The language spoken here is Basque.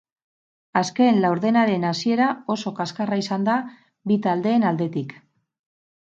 Azken laurdenaren hasiera oso kaskarra izan da bi taldeen aldetik.